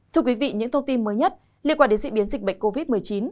thưa quý vị những thông tin mới nhất liên quan đến dịch bệnh covid một mươi chín